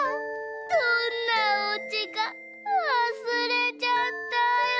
「どんなおうちかわすれちゃったよ」。